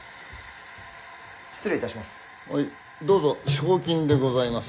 失礼いたします。